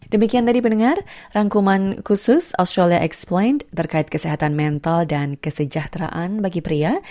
demikian tadi pendengar rangkuman khusus australia expline terkait kesehatan mental dan kesejahteraan bagi pria